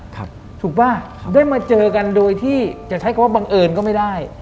ถูกป่ะครับได้มาเจอกันโดยที่จะใช้คำว่าบังเอิญก็ไม่ได้